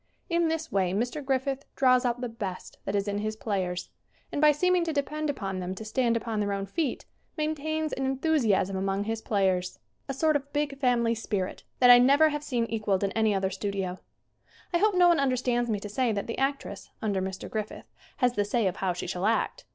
In this way Mr. Griffith draws out the best that is in his players, and, by seeming to de pend upon them to stand upon their own feet, maintains an enthusiasm among his players 116 SCREEN ACTING a sort of big family spirit that I never have seen equalled in any other studio. I hope no one understands me to say that the actress, under Mr. Griffith, has the say of how she shall act.